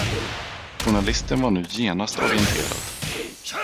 Journalisten var nu genast orienterad.